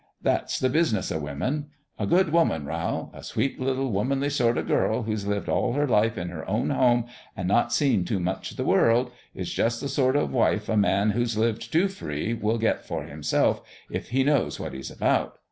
That's the business o' women. A good woman, Rowl a sweet little womanly sort o' girl who's lived all her life in her own home an' not seen too much o' the world is jus' the sort o' wife a man who's lived too free will get for himself if he knows what he's about.